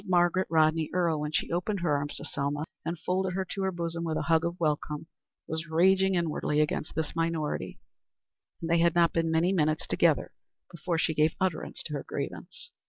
Margaret Rodney Earle, when she opened her arms to Selma and folded her to her bosom with a hug of welcome, was raging inwardly against this minority, and they had not been many minutes together before she gave utterance to her grievance.